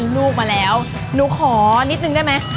๖๐๐๐๗๐๐๐ลูกมาแล้วนุ้อยขอนิดนึงได้ไหม